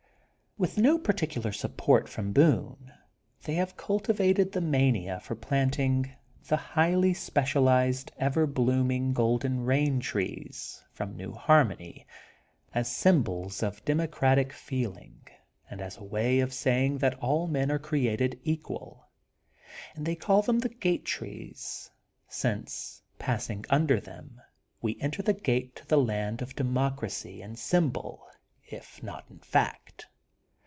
With no particular support from Boone, they have cultivated the mania for planting 94 THE GOLDEN BOOK OF SPRINGFIELD / the highly specialized ever blooming Golden Bain Trees from New Harmony as symbols of democratic feeling and as a way of saying that all men are created equal. And they call them The Gate Trees, since, passing under them, we enter the gate to the free land of democracy in symbol if not in fact.